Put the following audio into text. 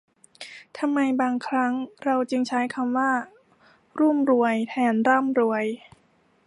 ทำไมบางครั้งเราจึงใช้คำว่ารุ่มรวย แทนร่ำรวย